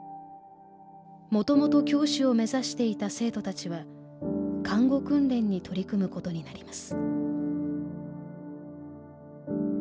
もともと教師を目指していた生徒たちは看護訓練に取り組むことになります。